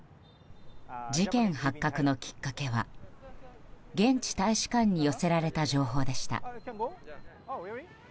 事件発覚のきっかけは現地大使館に寄せられた情報でした。